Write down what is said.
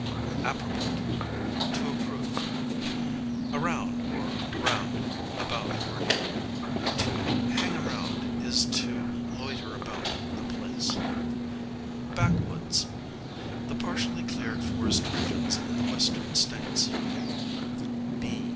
Approbate, to approve. Around or round, about or near. To hang around is to loiter about a place. Backwoods, the partially cleared forest regions in the western States.